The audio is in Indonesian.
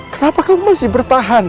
kenapa kamu masih bertahan